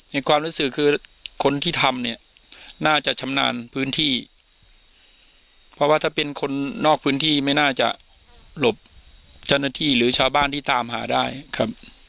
ความรู้สึกคือคนที่ทำเนี่ยน่าจะชำนาญพื้นที่เพราะว่าถ้าเป็นคนนอกพื้นที่ไม่น่าจะหลบเจ้าหน้าที่หรือชาวบ้านที่ตามหาได้ครับ